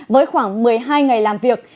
với khoảng một mươi hai ngày làm việc